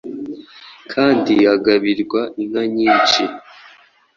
kandi agabirwa inka nyinshi,